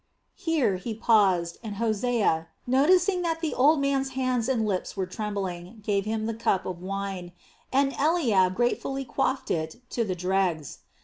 Here he paused and Hosea, noticing that the old man's hands and lips were trembling, gave him the cup of wine, and Eliab gratefully quaffed it to the dregs.